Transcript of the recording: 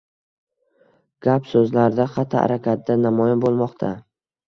Gap-soʻzlarida, xatti-harakatida namoyon boʻlmoqda